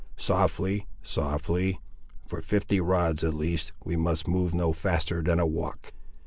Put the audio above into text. Softly, softly; for fifty rods, at least, we must move no faster than a walk."